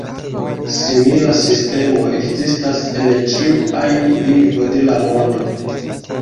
Simila sistemo ekzistas en ĉiu ajn lingvo de la mondo.